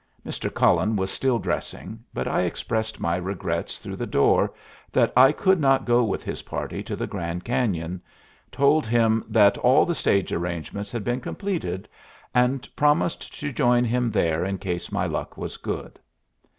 Mr. Cullen was still dressing, but I expressed my regrets through the door that I could not go with his party to the Grand Cañon, told him that all the stage arrangements had been completed, and promised to join him there in case my luck was good.